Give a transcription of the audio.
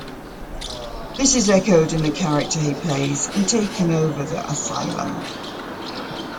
This is echoed in the character he plays in "Takin' Over the Asylum".